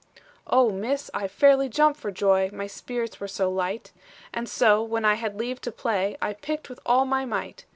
"'Oh, Miss, I fairly jumped for joy, My spirits were so light; And so, when I had leave to play, I picked with all my might.